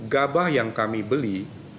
gabah yang kami beli